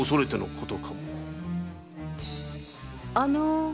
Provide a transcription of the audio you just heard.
・あの。